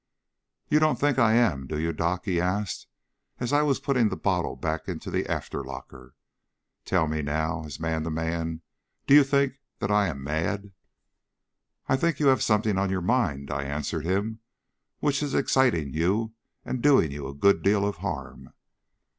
"You don't think I am, do you, Doc?" he asked, as I was putting the bottle back into the after locker. "Tell me now, as man to man, do you think that I am mad?" "I think you have something on your mind," I answered, "which is exciting you and doing you a good deal of harm."